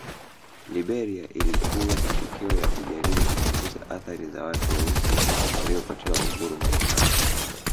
Liberia ilikuwa matokeo ya kujaribu kupunguza athari za watu weusi waliopatiwa uhuru Marekani